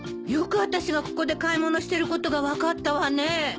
よくあたしがここで買い物してることが分かったわね。